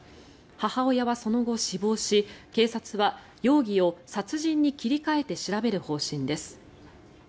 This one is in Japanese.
母親はその後、死亡し警察は容疑を殺人に切り替えて調べる方針です。